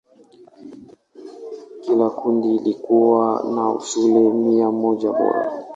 Kila kundi likiwa na shule mia moja bora.